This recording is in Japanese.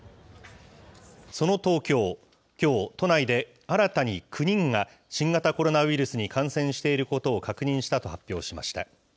その東京、きょう、都内で新たに９人が新型コロナウイルスに感染していることを確認したと発表しました。